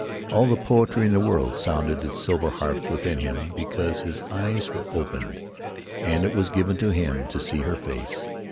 All the poetry in the world sounded its silver harps within him because his eyes were opened and it was given to him to see her face.